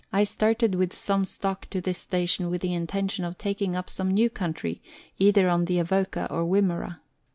9 started with some stock from this station with the intention of taking up some new country either on the Avoca or Wimmera.